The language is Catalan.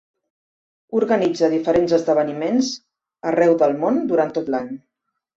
Organitza diferents esdeveniments arreu del món durant tot l'any.